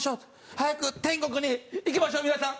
「早く天国に行きましょう皆さん。